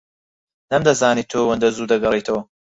نەمدەزانی تۆ ئەوەندە زوو دەگەڕێیتەوە.